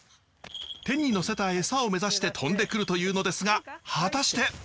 手に乗せたエサを目指して飛んでくるというのですが果たして！？